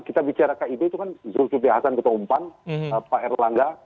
kita bicara kib itu kan zulzibde hasan ketua umpan pak erlangga